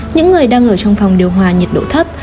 những người đang ở trong phòng điều hòa nhiệt độ thấp